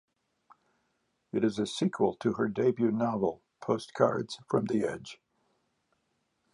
It is a sequel to her debut novel "Postcards from the Edge".